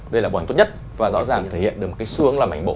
đây là một ảnh tốt nhất và rõ ràng thể hiện được một cái xuống làm ảnh bộ